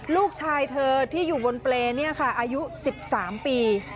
ลูกชายเธอที่อยู่บนเปรย์นี่ค่ะอายุ๑๓ปี